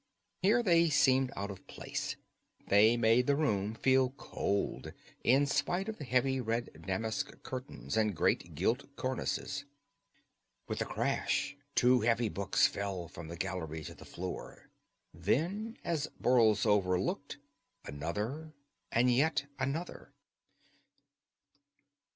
Here they seemed out of place. They made the room feel cold, in spite of the heavy red damask curtains and great gilt cornices. With a crash two heavy books fell from the gallery to the floor; then, as Borlsover looked, another and yet another.